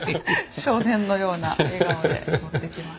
少年のような笑顔で持ってきます。